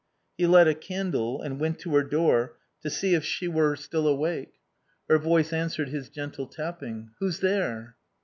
He lit a candle and went to her door to see if she were still awake. Her voice answered his gentle tapping, "Who's there?"